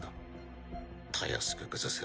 たやすく崩せば。